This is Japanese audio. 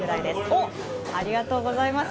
おっ、ありがとうございます。